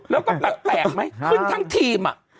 แล้วก็ตักแตกไหมขึ้นทั้งทีมอ่ะ